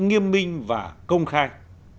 nghiêm minh và công khai